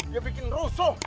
dia bikin rusuh